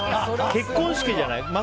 結婚式じゃない？